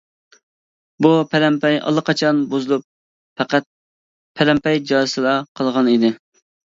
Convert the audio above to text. بۇ پەلەمپەي ئاللىقاچان بۇزۇلۇپ پەقەت پەلەمپەي جازىسىلا قالغان ئىدى.